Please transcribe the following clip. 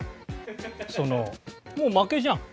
もう負けじゃん。